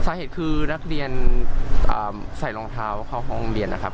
สาเหตุคือนักเรียนใส่รองเท้าเข้าห้องเรียนนะครับ